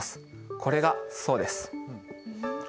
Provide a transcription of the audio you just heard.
これがそうです。